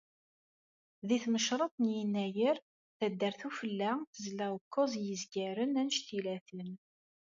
Deg tmecṛeḍt n yennayer, Taddart Ufella tezla ukkuẓ n yizgaren anect-ila-ten.